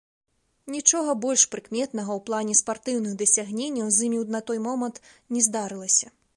Нічога больш прыкметнага ў плане спартыўных дасягненняў з імі на той момант не здарылася.